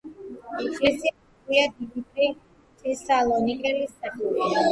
ეკლესია აგებულია დიმიტრი თესალონიკელის სახელზე.